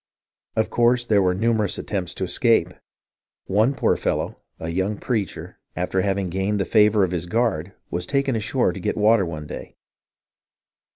Of course there were numerous attempts to escape. One poor fellow, a young preacher, after having gained the favour of his guard, was taken ashore to get water one day.